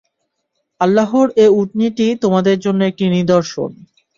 আল্লাহর এ উটনীটি তোমাদের জন্যে একটি নিদর্শন।